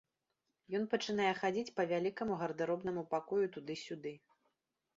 Ён пачынае хадзіць па вялікаму гардэробнаму пакою туды-сюды.